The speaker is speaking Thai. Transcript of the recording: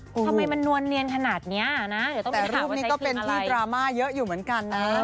ทำไมมันนวลเนียนขนาดนี้นะแต่รูปนี้ก็เป็นที่ดราม่าเยอะอยู่เหมือนกันนะ